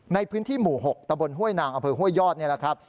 ในพื้นที่หมู่๖ตะบลห้วยนางอศห้วยยอดนี่นะครับ